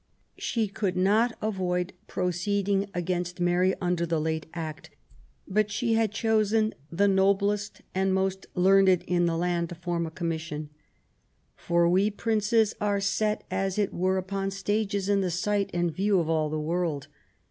She could not avoid proceeding against Mary under the late Act, but she had chosen the noblest and most learned in the land to form a Commission :" For we Princes are set as it were upon stages in the sight and view of all the world.